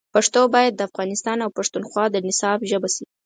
پښتو باید د افغانستان او پښتونخوا د نصاب ژبه شي.